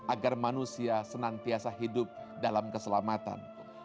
agar manusia senantiasa hidup dalam keselamatan